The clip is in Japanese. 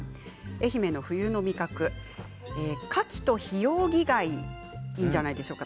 愛媛の冬の味覚かきとヒオウギ貝がいいんじゃないでしょうか。